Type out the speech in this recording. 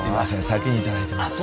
先にいただいてます